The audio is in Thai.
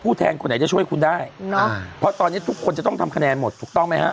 แทนคนไหนจะช่วยคุณได้เพราะตอนนี้ทุกคนจะต้องทำคะแนนหมดถูกต้องไหมฮะ